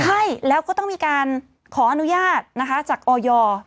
ใช่แล้วก็ต้องมีการขออนุญาตนะคะจากออย